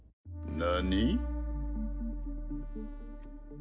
何？